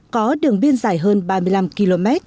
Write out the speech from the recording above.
có đường biên dài hơn ba mươi năm km